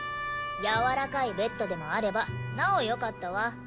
柔らかいベッドでもあればなおよかったわ。